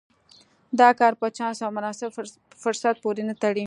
دا کار په چانس او مناسب فرصت پورې نه تړي.